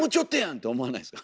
って思わないですか？